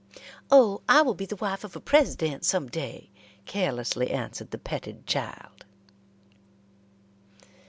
"Oh, I will be the wife of a President some day," carelessly answered the petted child.